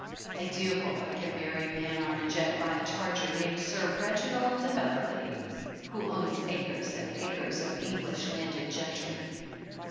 I do hope I can marry a man on a jet black charger named Sir Reginald de Bev erley who owns acres and acres of English landed gentry.